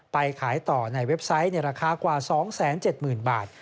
ไปขายต่อในเว็บไซต์ในราคากว่า๒๗๐๐๐บาท